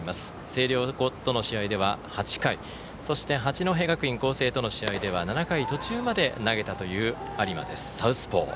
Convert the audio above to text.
星稜高校との試合では８回そして、八戸学院光星との試合は７回途中まで投げた有馬です、サウスポー。